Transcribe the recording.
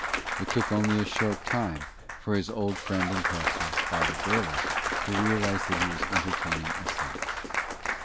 It took only a short time for his old friend and pastor, Father Bailey, to realize that he was entertaining a saint.